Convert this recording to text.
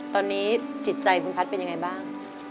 ตอนนี้จิตใจคุณพัฒน์เป็นยังไงบ้าง